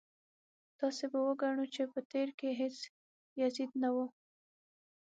داسې به وګڼو چې په تېر کې هېڅ یزید نه و.